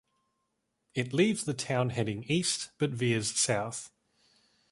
It leaves the town heading east, but veers south.